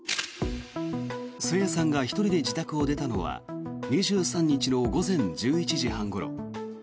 朝芽さんが１人で自宅を出たのは２３日の午前１１時半ごろ。